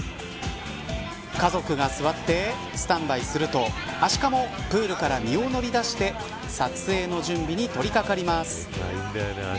家族が座ってスタンバイするとアシカもプールから身を乗り出して撮影の準備に取り掛かります。